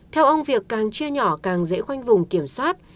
theo ông việc càng chia nhỏ càng dễ khoanh vùng kiểm soát